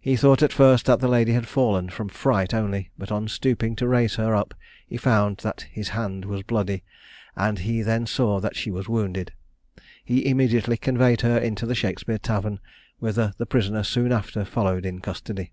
He thought at first that the lady had fallen from fright only, but on stooping to raise her up, he found that his hand was bloody, and he then saw that she was wounded. He immediately conveyed her into the Shakspeare Tavern, whither the prisoner soon after followed in custody.